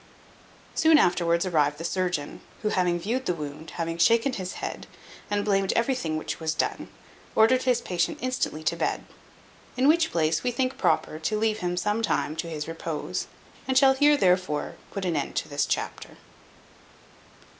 Soon afterwards arrived the surgeon, who having viewed the wound, having shaken his head, and blamed everything which was done, ordered his patient instantly to bed; in which place we think proper to leave him some time to his repose, and shall here, therefore, put an end to this chapter.